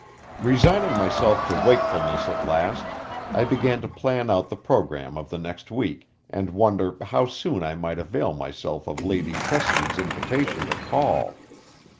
Resigning myself to wakefulness at last, I began to plan out the programme of the next week, and wonder how soon I might avail myself of Lady Tressidy's invitation to call.